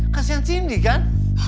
kasian cindy kan